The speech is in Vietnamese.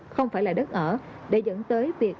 không phải là đất ở để dẫn tới việc